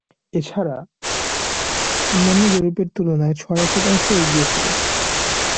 এছাড়া, অন্যান্য জরিপের তুলনায় ছয় শতাংশ এগিয়ে ছিল।